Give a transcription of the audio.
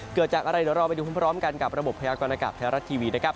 เกิดจากอะไรเดี๋ยวเราไปดูพร้อมกันกับระบบพยากรณากาศไทยรัฐทีวีนะครับ